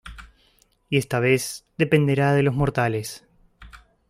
Y esta vez dependerá de los mortales.